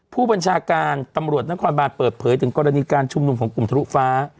ผู้บัญชาการตำรวจนครบานเปิดเผยถึงกรณีการชุมนุมของกลุ่มทะลุฟ้า